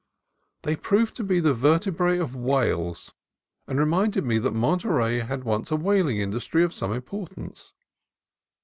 They proved to be the vertebrae of whales, and reminded me that Monterey had once a whaling industry of some importance.